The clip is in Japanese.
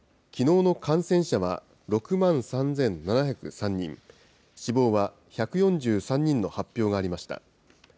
きのうの感染者は６万３７０３人、死亡は１４３人の発表がありました。